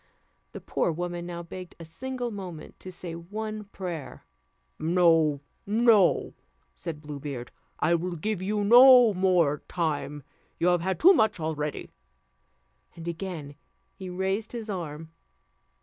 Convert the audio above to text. The poor woman now begged a single moment to say one prayer. "No, no," said Blue Beard, "I will give you no more time. You have had too much already." And again he raised his arm.